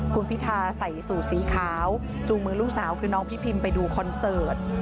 คุณพิทาใส่สูตรสีขาวจูงมือลูกสาวคือน้องพี่พิมไปดูคอนเสิร์ต